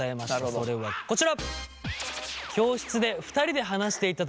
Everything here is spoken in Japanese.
それはこちら。